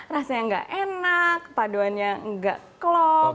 rasanya nggak enak paduannya nggak klop